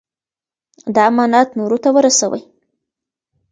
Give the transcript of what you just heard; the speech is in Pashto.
دا امانت نورو ته ورسوئ.